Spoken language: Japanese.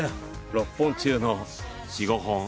６本中の、４５本。